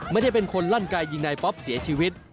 ไม่ได้เป็นคนลั่นไกยิงนายป๊อปเสียชีวิต